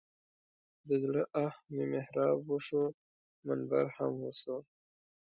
د زړه آه مې محراب وسو منبر هم وسو.